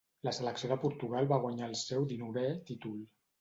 La selecció de Portugal va guanyar el seu dinovè títol.